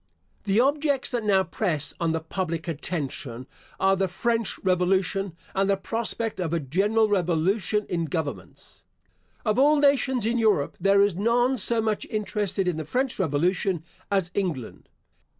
The objects that now press on the public attention are, the French revolution, and the prospect of a general revolution in governments. Of all nations in Europe there is none so much interested in the French revolution as England.